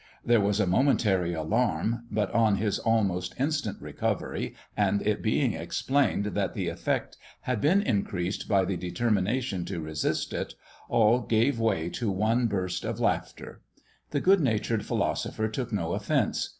There was a momentary alarm; but, on his almost instant recovery, and it being explained that the effect had been increased by the determination to resist it, all gave way to one burst of laughter. The good natured philosopher took no offence.